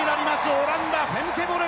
オランダ、フェムケ・ボル。